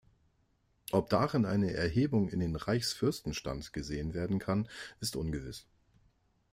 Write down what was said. Ob darin eine Erhebung in den Reichsfürstenstand gesehen werden kann, ist ungewiss.